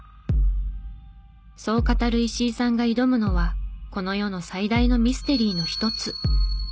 そう語る石井さんが挑むのはこの世の最大のミステリーの一つ。